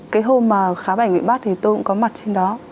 cái hôm mà khá bảnh bị bắt thì tôi cũng có mặt trên đó